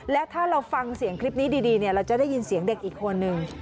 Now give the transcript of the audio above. แล้วถ้าเราฟังเสียงคลิปนี้ดีเราจะได้ยินเสียงเด็กอีกคนนึง